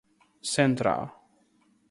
central